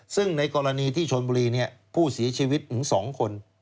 ซึ่งในกรณีที่ชนบุรีเนี่ยผู้เสียชีวิตอยู่๒คน